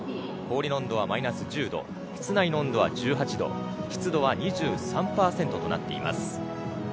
氷の温度はマイナス１０度室内の温度は１８度湿度は２３％となっています。